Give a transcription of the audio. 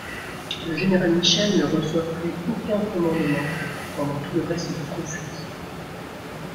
Le général Michel ne reçoit plus aucun commandement pendant tout le reste du conflit.